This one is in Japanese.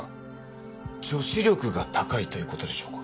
女子力が高いという事でしょうか？